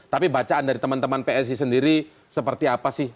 tapi bacaan dari teman teman psi sendiri seperti apa sih